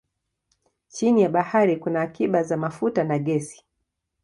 Chini ya bahari kuna akiba za mafuta na gesi.